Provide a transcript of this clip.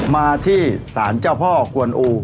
มาที่ศาลเจ้าพ่อกวนอู